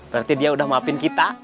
berarti dia udah maafin kita